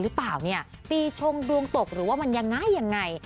หรือเปล่าเนี่ยปีชงดวงตกหรือว่ามันยังไงยังไง